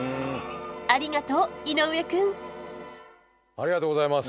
ありがとうございます。